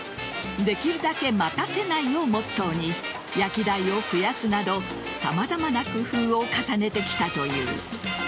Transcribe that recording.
できるだけ待たせないをモットーに焼き台を増やすなど様々な工夫を重ねてきたという。